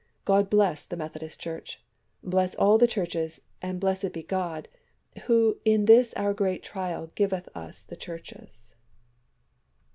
God bless the Methodist Church. Bless all the churches, and blessed be God, who in this our great trial giveth us the churches.